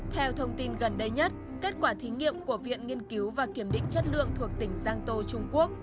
theo thông tin gần đây nhất kết quả thí nghiệm của viện nghiên cứu và kiểm định chất lượng thuộc tỉnh giang tô trung quốc